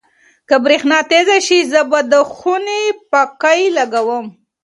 که برېښنا تېزه شي، زه به د خونې پکۍ لګوم.